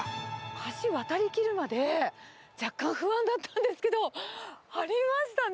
橋、渡りきるまで若干不安だったんですけど、ありましたね。